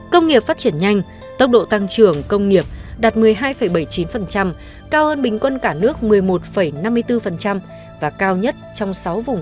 công nghiệp phát triển nhanh tốc độ tăng trưởng công nghiệp đạt một mươi hai bảy mươi chín cao hơn bình quân cả nước một mươi một năm mươi bốn và cao nhất trong sáu vùng